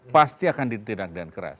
pasti akan ditindak dengan keras